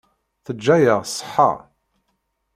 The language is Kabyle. Teǧǧa-yaɣ ṣṣeḥḥa.